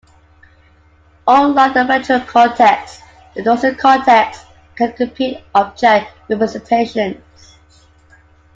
Unlike the ventral cortex, the dorsal cortex can compute object representations.